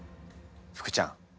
福ちゃん。